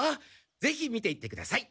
ぜひ見ていってください。